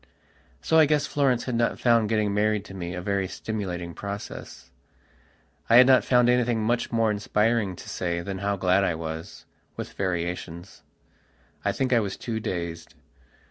So I guess Florence had not found getting married to me a very stimulating process. I had not found anything much more inspiring to say than how glad I was, with variations. I think I was too dazed.